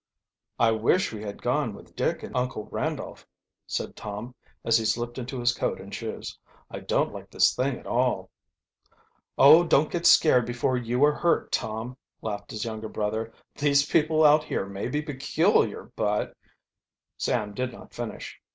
"I wish we had gone with Dick and Uncle Randolph," said Tom, as he slipped into his coat and shoes. "I don't like this thing at all." "Oh, don't get scared before you are hurt, Tom!" laughed his younger brother. "These people out here may be peculiar, but " Sam did not finish.